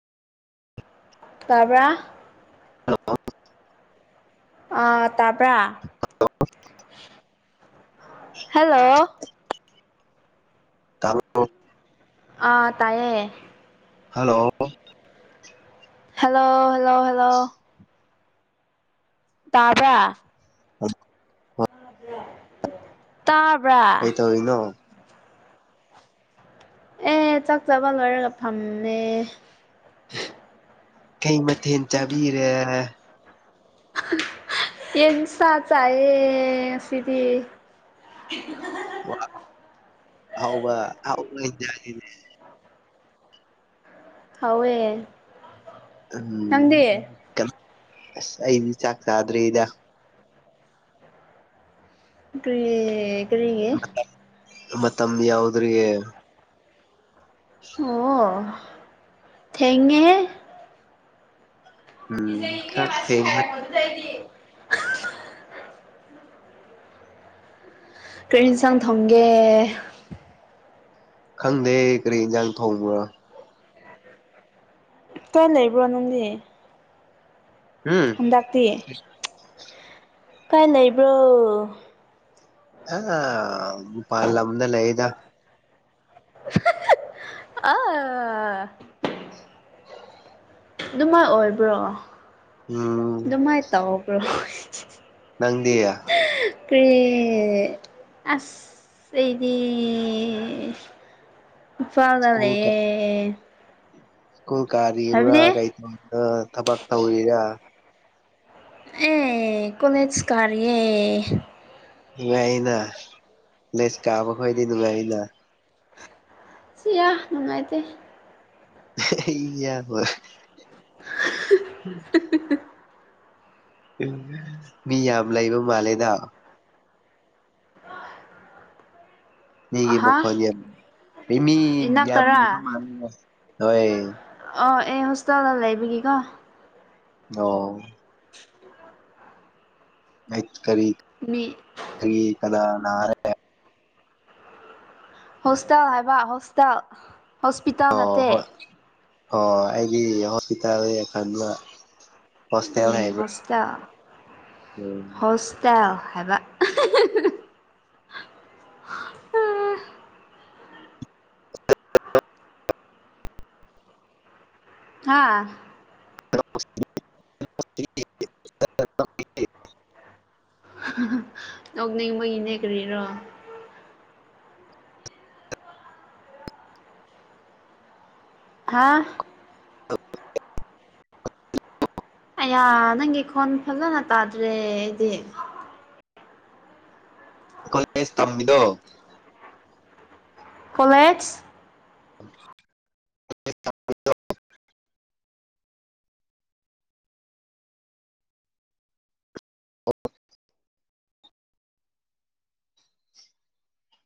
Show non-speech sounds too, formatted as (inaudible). ꯇꯥꯕ꯭ꯔ ꯑ ꯇꯥꯕ꯭ꯔꯥ ꯍꯜꯂꯣ ꯇꯕ꯭ꯔꯣ ꯑꯥ ꯇꯥꯏꯌꯦ ꯍꯜꯂꯣ ꯍꯜꯂꯣ ꯍꯜꯂꯣ ꯍꯜꯂꯣ ꯇꯥꯕ (unintelligible) ꯇꯥꯕ꯭ꯔꯥ ꯅꯣ ꯑꯦ ꯆꯥꯛ ꯆꯕ ꯂꯣꯏꯔꯒ ꯐꯝꯃꯦ ꯀꯩ ꯃꯊꯦꯜ ꯆꯥꯕꯤꯔꯦ (inaudible) ꯌꯦꯟꯁꯥ ꯆꯥꯌꯦ ꯉꯁꯤꯗꯤ (unintelligible) ꯑꯍꯥꯎꯕ (unintelligible) ꯍꯥꯎꯋꯦ ꯎꯝ ꯅꯪꯗꯤ ꯀꯩ ꯑꯁ ꯑꯩꯗꯤ ꯆꯥꯛ ꯆꯥꯗ꯭ꯔꯤꯗ ꯀ꯭ꯔꯤ ꯀꯔꯤꯒꯤ ꯃꯇꯝ ꯌꯧꯗ꯭ꯔꯤꯌꯦ ꯑꯣ ꯊꯦꯡꯉꯦ ꯏꯖꯩ ꯎꯝ ꯏꯒꯦ ꯈꯔ ꯃꯥꯁꯤ ꯊꯦꯡꯈ꯭ꯔꯦ ꯍꯥꯏꯔꯛꯄꯣꯗꯨꯗ ꯑꯩꯗꯤ ꯀꯔꯤ ꯌꯦꯟꯁꯥꯡ ꯊꯣꯡꯒꯦ ꯈꯪꯗꯦ ꯀꯔꯤ ꯏꯟꯖꯥꯡ ꯊꯣꯡꯕ꯭ꯔꯣ ꯀꯥꯏ ꯂꯩꯕ꯭ꯔꯣ ꯅꯪꯗꯤ ꯎꯝ ꯍꯟꯗꯛꯇꯛꯇꯤ ꯀꯥꯏ ꯂꯩꯕ꯭ꯔꯣ ꯑ ꯄꯥꯜ ꯂꯝꯂꯝꯗ ꯂꯩꯗ ꯑ ꯅꯨꯡꯉꯥꯏ ꯑꯣꯏꯕ꯭ꯔꯣ ꯎꯝ ꯑꯗꯨꯃꯥꯏꯅ ꯇꯧꯕ꯭ꯔꯣ ꯅꯪꯗꯤꯌꯥ ꯀꯔꯤ ꯑꯁ ꯁꯤꯗꯤ ꯏ ꯁ꯭ꯀꯨꯜ ꯐꯒꯂꯦ ꯀꯨꯡ ꯀꯥꯔꯤꯕ꯭ꯔꯥ ꯀꯩ ꯇꯧꯕ꯭ꯔ ꯊꯕꯛ ꯇꯧꯔꯤꯔꯥ ꯑꯦ ꯀꯣꯂꯦꯖꯁ ꯀ꯭ꯦ ꯉꯥꯏꯅ ꯂꯤꯁ ꯀꯥꯕ ꯈꯗꯤ ꯅꯨꯡꯉꯥꯏꯅ ꯁꯤꯌꯥ ꯅꯨꯡꯉꯥꯏꯇꯦ ꯏꯌꯥꯝꯕ (unintelligible) ꯎ ꯃꯤ ꯌꯥꯝ ꯂꯩꯕ ꯃꯥꯜꯂꯦꯗ ꯃꯤꯒꯤ ꯑꯍꯥ ꯃꯈꯣꯟ ꯌꯥꯝ (inaudible) ꯃꯤ ꯌꯥꯝ ꯏꯅꯥꯛꯇꯔꯥ ꯍꯣꯏ ꯑꯥ ꯑꯩ ꯍꯣꯁꯇꯥꯦꯜꯗ ꯂꯩꯕꯒꯤ ꯀꯣ ꯑꯣ (inaudible) ꯀꯔꯤ ꯃꯤ ꯒꯔꯤ ꯀꯅꯥ ꯅꯥꯔꯦ ꯍꯣꯁꯇꯦꯜ ꯍꯥꯏꯕ ꯍꯣꯁꯇꯦꯜ ꯍꯣꯁꯄꯤꯇꯥꯜ ꯑꯣ ꯅꯠꯇꯦ ꯍꯣꯏ ꯑꯣ ꯑꯩꯗꯤ ꯍꯣꯁꯄꯤꯇꯥꯜ ꯈꯟꯕ ꯍꯣꯁꯇꯦꯜ ꯎꯝ ꯍꯥꯏꯕ ꯍꯣꯁꯇꯦꯜ ꯎꯝ ꯍꯣꯁꯇꯦꯜ ꯍꯥꯏꯕ (inaudible) ꯍꯥꯥ (inaudible) ꯅꯣꯛꯅꯤꯡꯕꯒꯤꯅꯦ ꯀꯔꯤꯔꯣ ꯍꯥꯥ (inaudible) ꯑꯌꯥ ꯅꯪꯒꯤ ꯈꯣꯟ ꯐꯖꯅ ꯇꯥꯗ꯭ꯔꯦ ꯑꯩꯗꯤ ꯀꯣꯂꯦꯖ ꯇꯝꯃꯤꯗꯣ ꯀꯣꯂꯦꯖ (unintelligible)